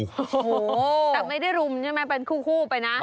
โอ้โหแต่ไม่ได้รุมใช่ไหมเป็นคู่ไปนะ